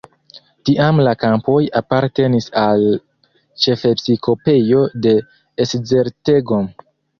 Tiam la kampoj apartenis al ĉefepiskopejo de Esztergom.